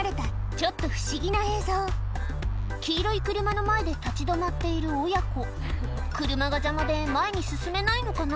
ちょっと不思議な映像黄色い車の前で立ち止まっている親子車が邪魔で前に進めないのかな？